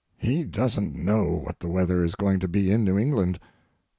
He doesn't know what the weather is going to be in New England.